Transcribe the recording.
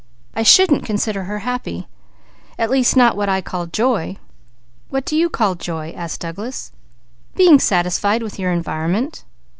I shouldn't consider her happy. At least not with what I call joy." "What do you call joy?" asked Douglas. "Being satisfied with your environment."